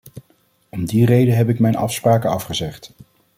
Om die reden heb ik mijn afspraken afgezegd.